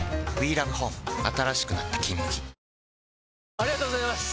ありがとうございます！